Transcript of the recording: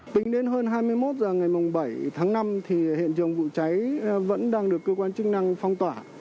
tính đến hơn hai mươi một h ngày bảy tháng năm thì hiện trường vụ cháy vẫn đang được cơ quan chức năng phong tỏa